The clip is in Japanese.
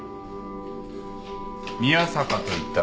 宮坂といったな。